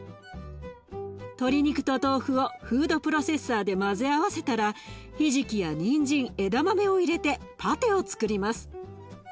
鶏肉と豆腐をフードプロセッサーで混ぜ合わせたらひじきやにんじん枝豆を入れてパテをつくります。